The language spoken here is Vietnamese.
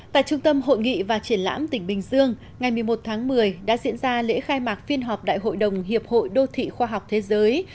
tại trung tâm hội nghị và triển lãm tỉnh bình dương ngày một mươi một tháng một mươi đã diễn ra lễ khai mạc phiên họp đại hội đồng hiệp hội đô thị khoa học thế giới